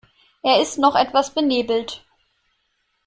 Er ist noch etwas benebelt.